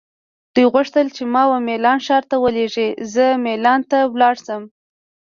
دوی غوښتل چې ما وه میلان ښار ته ولیږي، زه مېلان ته لاړ شم.